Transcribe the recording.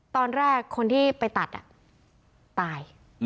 ตอนแรกคนที่ไปตัดตาย